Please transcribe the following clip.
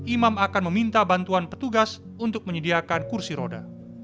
imam akan meminta bantuan petugas untuk menyediakan kursi roda